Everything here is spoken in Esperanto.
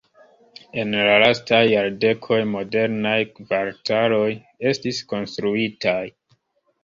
En la lastaj jardekoj modernaj kvartaloj estis konstruitaj.